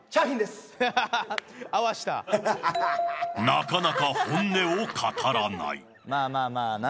なかなか本音を語らない。